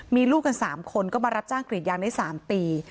มีลูกกัน๓คนก็มารับจ้างกรีดยางได้๓ปี